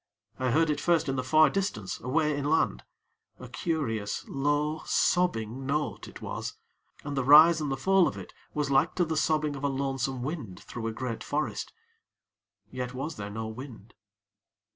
I heard it first in the far distance, away inland a curious, low, sobbing note it was, and the rise and the fall of it was like to the sobbing of a lonesome wind through a great forest. Yet was there no wind.